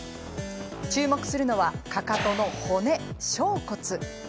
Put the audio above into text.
注目するのはかかとの骨、しょう骨。